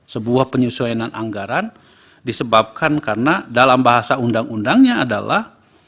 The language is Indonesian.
sebuah penyesuaian anggaran disebabkan karena dalam bahasa undang undangnya adalah